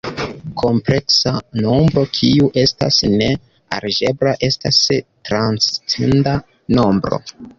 Kompleksa nombro kiu estas ne algebra estas transcenda nombro.